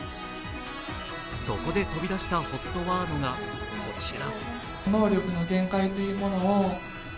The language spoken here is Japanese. そこで飛び出したＨＯＴワードがこちら。